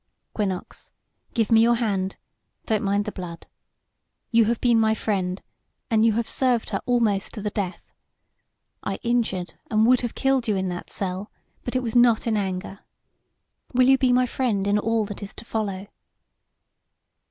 "Quinnox, give me your hand don't mind the blood! You have been my friend, and you have served her almost to the death. I injured and would have killed you in that cell, but it was not in anger. Will you be my friend in all that is to follow?"